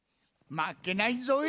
まっけないぞい！